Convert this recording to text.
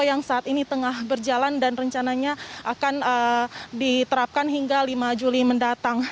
yang saat ini tengah berjalan dan rencananya akan diterapkan hingga lima juli mendatang